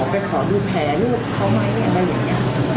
ไปขอดูแผลลูกเขาไหมอะไรอย่างนี้